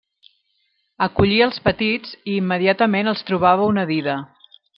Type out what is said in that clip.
Acollia els petits i immediatament els trobava una dida.